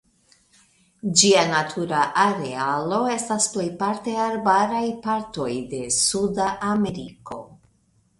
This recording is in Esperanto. Ĝia natura arealo estas plejparte arbaraj partoj de Suda Ameriko.